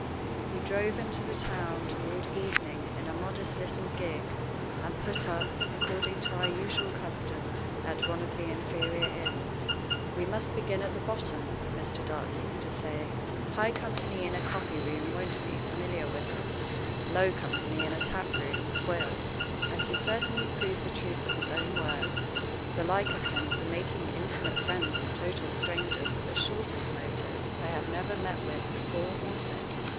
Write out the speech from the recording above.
We drove into the town toward evening in a modest little gig, and put up, according to our usual custom, at one of the inferior inns. "We must begin at the bottom," Mr. Dark used to say. "High company in a coffee room won't be familiar with us; low company in a tap room will." And he certainly proved the truth of his own words. The like of him for making intimate friends of total strangers at the shortest notice I have never met with before or since.